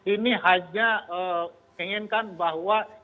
ini hanya menginginkan bahwa